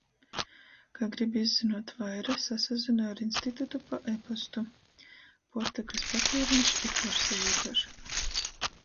Ka gribi izzynuot vaira, sasazynoj ar institutu pa e-postu. Puortykys patiereņš i puorsavītuošona.